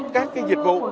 các dịch vụ